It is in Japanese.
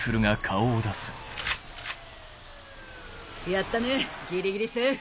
やったねギリギリセーフ！